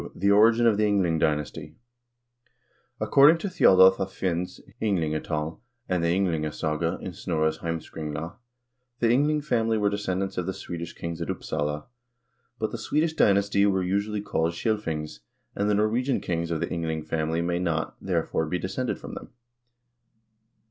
The Origin of the Yngling Dynasty According to Thjodolv af Hvin's "Ynglingatal," and the "Yng lingasaga" in Snorre's " Heimskringla," the Yngling family were descendants of the Swedish kings at Upsala. But the Swedish dy nasty were, usually, called Scilfings, and the Norwegian kings of the Yngling family may not, therefore, be descended from them.